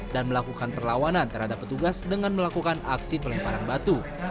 dan melakukan perlawanan terhadap petugas dengan melakukan aksi pelemparan batu